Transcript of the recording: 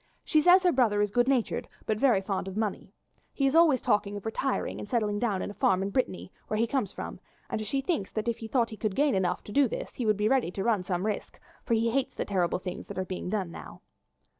She says her brother is good natured but very fond of money. He is always talking of retiring and settling down in a farm in Brittany, where he comes from, and she thinks that if he thought he could gain enough to do this he would be ready to run some risk, for he hates the terrible things that are being done now."